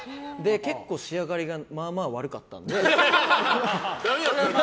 結構仕上がりがまあまあ悪かったんで。